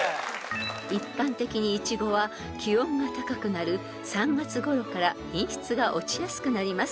［一般的にイチゴは気温が高くなる３月ごろから品質が落ちやすくなります］